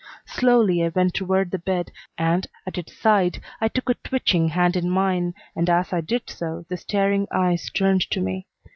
Slowly I went toward the bed, and at its side I took a twitching hand in mine, and as I did so the staring eyes turned to me.